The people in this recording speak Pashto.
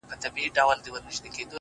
• نور یې نسته زور د چا د ښکارولو ,